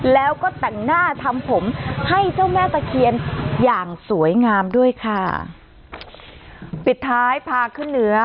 แล้วก็แต่งหน้าทำผมให้เจ้าแม่ตะเคียนอย่างสวยงามด้วยค่ะปิดท้ายพาขึ้นเหนือ